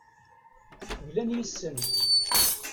Glan yes-sent.